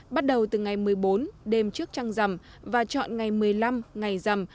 bắt đầu từ ngày một mươi bốn đêm trước trăng rằm và chọn ngày một mươi năm ngày rằm